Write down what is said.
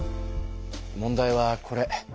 問題はこれ。